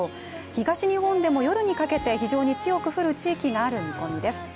東日本でも夜にかけて非常に強く降る地域がある見込みです。